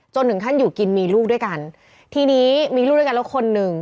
ถึงขั้นอยู่กินมีลูกด้วยกันทีนี้มีลูกด้วยกันแล้วคนหนึ่ง